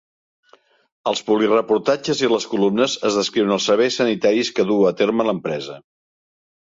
Als publireportatges i les columnes es descriuen els serveis sanitaris que duu a terme l'empresa.